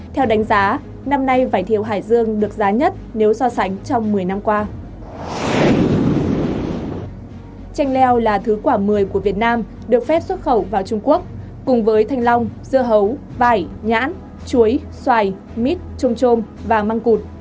tranh leo là thứ quả một mươi của việt nam được phép xuất khẩu vào trung quốc cùng với thanh long dưa hấu vải nhãn chuối xoài mít trôm trôm và măng cụt